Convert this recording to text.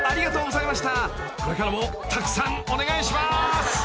［これからもたくさんお願いします］